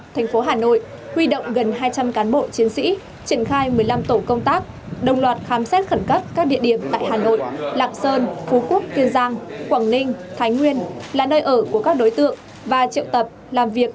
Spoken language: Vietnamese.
tại hà nội lạc sơn phú quốc kiên giang quảng ninh thái nguyên là nơi ở của các đối tượng và triệu tập làm việc